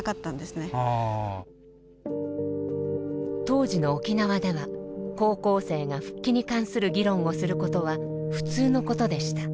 当時の沖縄では高校生が復帰に関する議論をすることは普通のことでした。